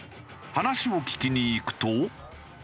話を聞きに行くと。